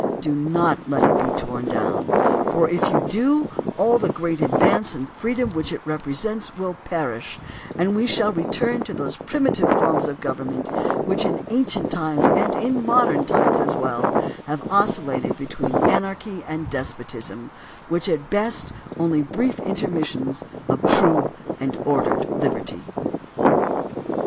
Do not let it be torn down, for if you do all the great advance in freedom which it represents will perish and we shall return to those primitive forms of govern ment which in ancient times and in modern times as well have oscillated between anarchy and despotism, with at best only brief intermissions of true and or dered liberty.